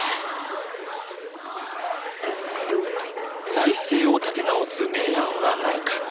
財政を立て直す名案はないか。